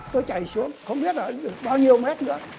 tôi chảy xuống không biết là bao nhiêu mét nữa